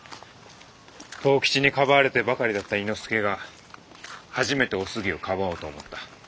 藤吉にかばわれてばかりだった猪之助が初めてお杉をかばおうと思った。